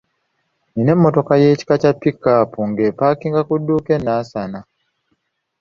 Nina emmotoka ey’ekika kya ‘pickup’ nga epaakinga ku dduuka e Nansana.